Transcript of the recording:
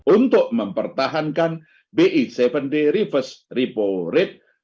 untuk mempertahankan bi tujuh day reverse repo rate